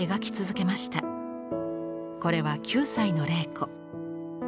これは９歳の麗子。